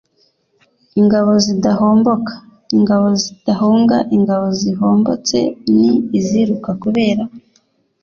ingabo zidahomboka: ingabo zidahunga –ingabo zihombotse ni iziruka kubera